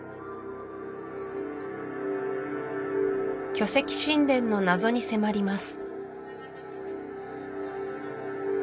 巨石神殿の謎に迫ります